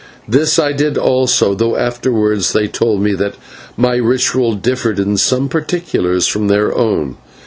This I did also, though afterwards they told me that my ritual differed in some particulars from their own.